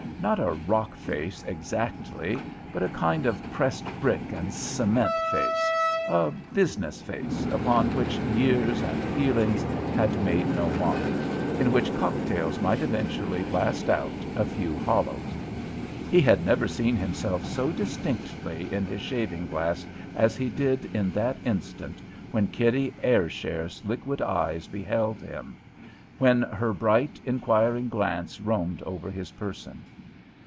Not a rock face, exactly, but a kind of pressed brick and cement face, a "business" face upon which years and feelings had made no mark in which cocktails might eventually blast out a few hollows. He had never seen himself so distinctly in his shaving glass as he did in that instant when Kitty Ayrshire's liquid eye held him, when her bright, inquiring glance roamed over his person.